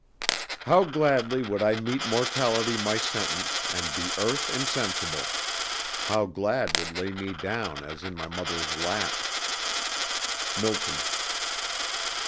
IV How gladly would I meet Mortality my sentence, and be earth Insensible! How glad would lay me down As in my mother's lap! MILTON.